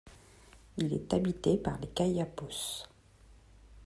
Il est habité par les Kayapós.